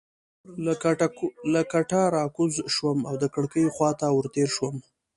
له کټه راکوز شوم او د کړکۍ خوا ته ورتېر شوم.